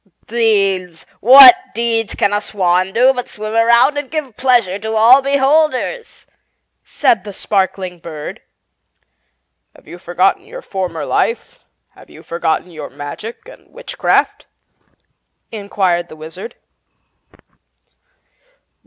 "Deeds? What deeds can a swan do but swim around and give pleasure to all beholders?" said the sparkling bird. "Have you forgotten your former life? Have you forgotten your magic and witchcraft?" inquired the Wizard.